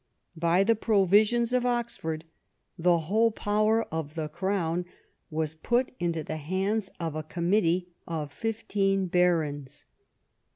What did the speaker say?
By the Provisions of Oxford the whole power of the Crown was put into the hands of a committee of fifteen barons.